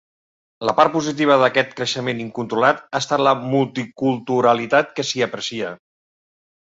La part positiva d'aquest creixement incontrolat ha estat la multiculturalitat que s'hi aprecia.